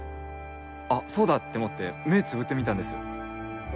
「あそうだ」って思って目つぶってみたんです。